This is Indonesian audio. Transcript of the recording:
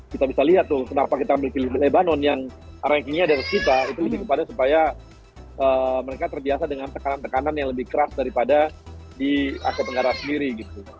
kita bisa lihat tuh kenapa kita ambil pilih lebanon yang rankingnya dari kita itu lebih kepada supaya mereka terbiasa dengan tekanan tekanan yang lebih keras daripada di asia tenggara sendiri gitu